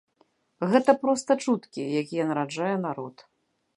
Гэта проста чуткі, якія нараджае народ.